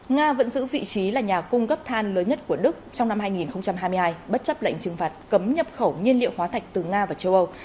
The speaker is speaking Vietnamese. nga vẫn giữ vị trí là nhà cung cấp than lớn nhất của đức trong năm hai nghìn hai mươi hai bất chấp lệnh trừng phạt cấm nhập khẩu nhiên liệu hóa thạch từ nga và châu âu